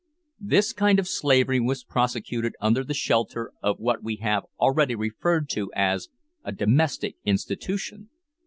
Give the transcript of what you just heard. This kind of slavery was prosecuted under the shelter of what we have already referred to as a domestic institution!